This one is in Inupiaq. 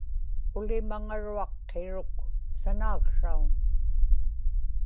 ulimaŋaruaq qiruk sanaaksraun